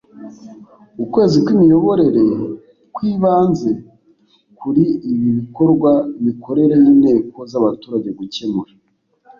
ukwezi kw imiyoborere kwibanze kuri ibi bikorwa imikorere y inteko z abaturage gukemura